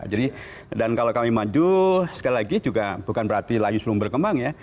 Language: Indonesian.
jadi dan kalau kami maju sekali lagi juga bukan berarti layu sebelum berkembang ya